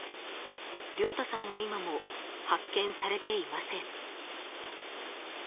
亮太さんは今も発見されていません。